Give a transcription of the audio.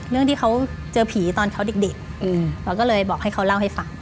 เรื่องที่เขาเจอผีตอนเขาเด็กเราก็เลยบอกให้เขาเล่าให้ฟัง